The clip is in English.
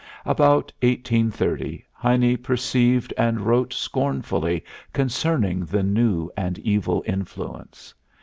About 1830, Heine perceived and wrote scornfully concerning the new and evil influence.